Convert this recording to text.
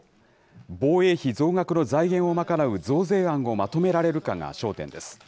防衛費増額の財源を賄う増税案をまとめられるかが焦点です。